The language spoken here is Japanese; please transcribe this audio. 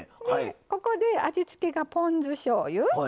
ここで味付けがポン酢しょうゆ。